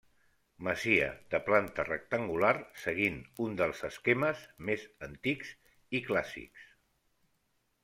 Masia de planta rectangular seguint un dels esquemes més antics i clàssics.